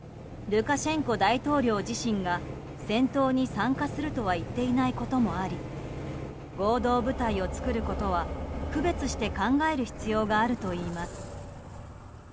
ルカシェンコ大統領自身が戦闘に参加するとは言っていないこともあり合同部隊を作ることは区別して考える必要があるといいます。